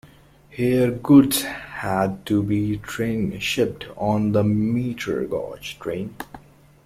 Here goods had to be tran-shipped on to a metre-gauge train.